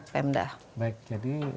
pemda baik jadi